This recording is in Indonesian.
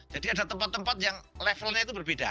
jadi ada tempat tempat yang levelnya itu berbeda